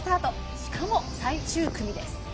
しかも最終組です。